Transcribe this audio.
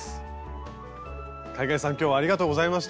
海外さん今日はありがとうございました。